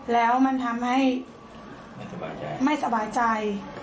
แล้วมันทำให้ไม่สบายใจ